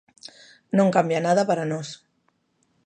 Non cambia nada para nós.